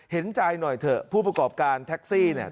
เห็นใจหน่อยเถอะผู้ประกอบการแท็กซี่เนี่ย